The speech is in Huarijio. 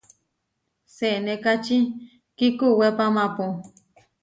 Senékači kikuwépamapu.